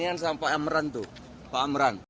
kalau pak bisa berapa pak